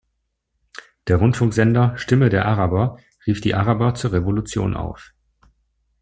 Der Rundfunksender "Stimme der Araber" rief die Araber zur Revolution auf.